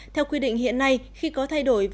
theo quy định hiện nay khi có thay đổi